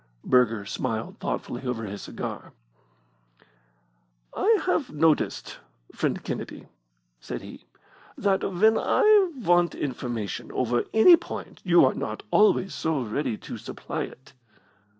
Burger smiled thoughtfully over his cigar. "I have noticed, friend Kennedy," said he, "that when I want information over any point you are not always so ready to supply it."